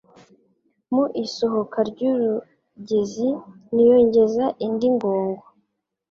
Mu isohoka ry'urugezi niyongeza indi ngongo.